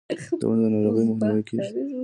د ونو د ناروغیو مخنیوی کیږي.